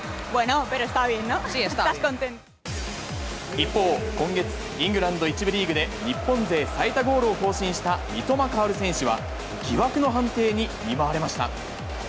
一方、今月、イングランド１部リーグで日本勢最多ゴールを更新した三笘薫選手は、疑惑の判定に見舞われました。